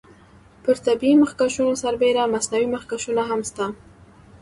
پر طبیعي مخکشونو سربیره مصنوعي مخکشونه هم شته.